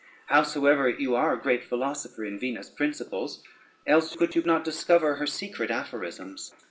Howsoever, you are a great philosopher in Venus' principles, else could you not discover her secret aphorisms.